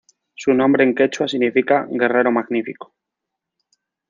Su nombre en quechua significa "Guerrero magnífico".